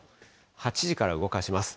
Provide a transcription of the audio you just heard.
８時から動かします。